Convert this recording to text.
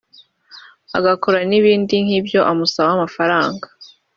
agakora n’ibindi nk’ibyo amusaba amafaranga